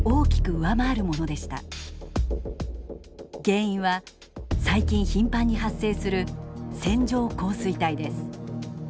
原因は最近頻繁に発生する線状降水帯です。